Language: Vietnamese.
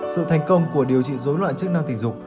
sự thành công của điều trị dối loạn chức năng tình dục